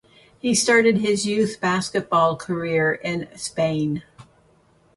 He started his youth basketball career in Spain.